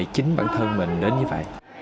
chính bản thân mình đến như vậy